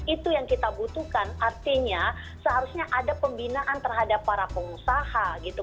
itu yang kita butuhkan artinya seharusnya ada pembinaan terhadap para pengusaha gitu